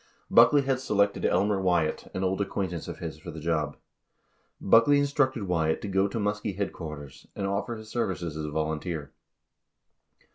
16 Buckley had selected Elmer Wyatt, an old acquaintance of his, for the job. Buckley instructed Wyatt to go to Muskie headquarters and offer his services as a volunteer.